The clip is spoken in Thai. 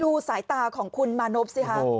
ดูสายตาของคุณมานบสิครับ